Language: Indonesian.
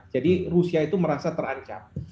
jadi rusia itu merasa terancam